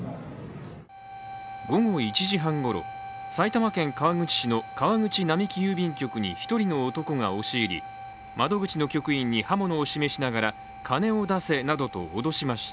午後１時半ごろ、埼玉県川口市の川口並木郵便局に一人の男が押し入り、窓口の局員に刃物を示しながら金を出せなどと脅しました。